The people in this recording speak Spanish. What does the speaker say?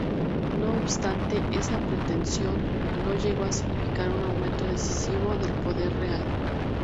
No obstante, esa pretensión no llegó a significar un aumento decisivo del poder real.